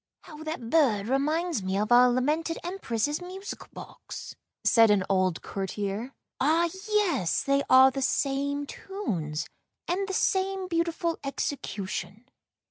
" How that bird reminds me of our lamented Empress's musical box," said an old courtier. " Ah, yes, they are the same tunes, and the same beautiful execution."